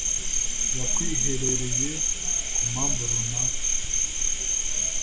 yakwiherereye ku mpamvu runaka